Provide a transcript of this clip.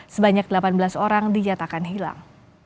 sebanyak delapan belas orang dinyatakan hilang